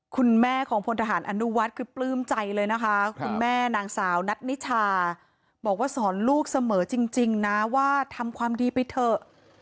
คุณแม่ของพลทหารอนุวัฒน์คือปลื้มใจเลยนะคะคุณแม่นางสาวนัทนิชาบอกว่าสอนลูกเสมอจริงนะว่าทำความดีไปเถอะ